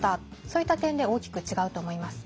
そういった点で大きく違うと思います。